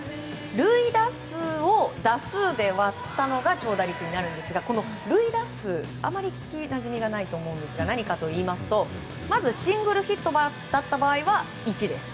塁打数を打数で割ったのが長打率になるんですが塁打数あまり聞きなじみがないと思いますが何かといいますとシングルヒットだった場合は１です。